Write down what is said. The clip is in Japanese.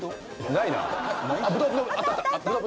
ないな。